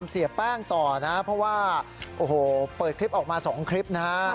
เสียแป้งต่อนะเพราะว่าโอ้โหเปิดคลิปออกมา๒คลิปนะฮะ